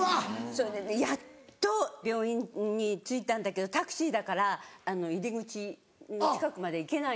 それでやっと病院に着いたんだけどタクシーだから入り口の近くまで行けないんですよ。